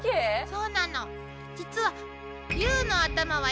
そうなの。